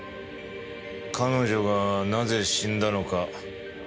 彼女がなぜ死んだのか。